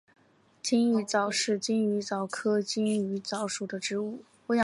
金鱼藻是金鱼藻科金鱼藻属的植物。